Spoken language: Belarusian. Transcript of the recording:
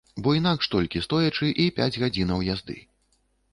Бо інакш толькі стоячы і пяць гадзінаў язды.